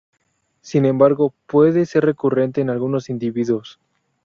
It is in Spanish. Sin embargo, puede ser recurrente en algunos individuos.